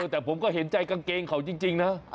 แต่ผมก็เห็นใจกางเกงเขาจริงนะ